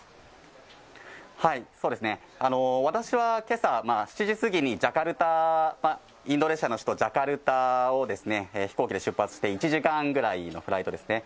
私はけさ７時過ぎにジャカルタ、インドネシアの首都ジャカルタを飛行機で出発して１時間ぐらいのフライトですね。